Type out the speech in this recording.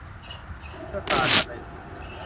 เลือดตากระเด็น